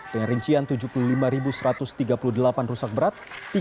dengan rincian tujuh puluh lima satu ratus tiga puluh delapan rusak berat